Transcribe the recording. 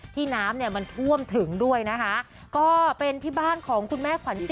น้ำเนี่ยมันท่วมถึงด้วยนะคะก็เป็นที่บ้านของคุณแม่ขวัญจิต